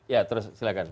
ya terus silahkan